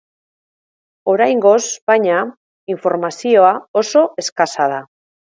Oraingoz, baina, informazioa oso eskasa da.